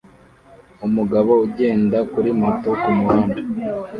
Umugabo ugenda kuri moto kumuhanda